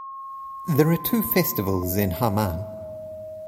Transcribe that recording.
There are two festivals in Haman.